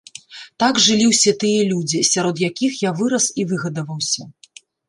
Так жылі ўсе тыя людзі, сярод якіх я вырас і выгадаваўся.